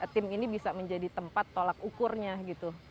tim ini bisa menjadi tempat tolak ukurnya gitu